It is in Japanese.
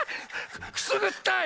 くすぐったい！